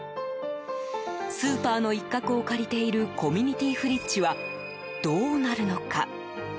スーパーの一角を借りているコミュニティフリッジはどうなるのか。